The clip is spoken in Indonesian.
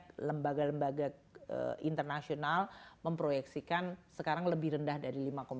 karena banyak lembaga lembaga internasional memproyeksikan sekarang lebih rendah dari lima tiga